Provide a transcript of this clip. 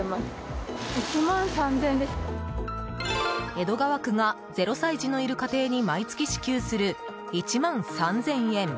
江戸川区が０歳児のいる家庭に毎月支給する１万３０００円。